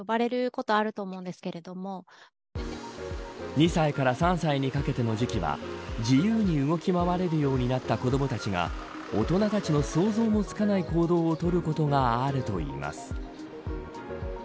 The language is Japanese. ２歳から３歳にかけての時期は自由に動き回れるようになった子どもたちが大人たちの想像もつかない行動をとることがあるといいます。